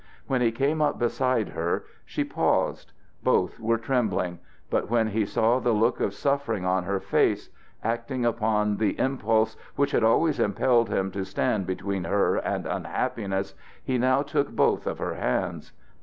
When he came up beside her, she paused. Both were trembling; but when he saw the look of suffering on her face, acting upon the impulse which had always impelled him to stand between her and unhappiness, he now took both of her hands.